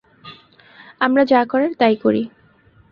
আমরা যা করার, তাই করি।